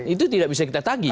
itu tidak bisa kita tagi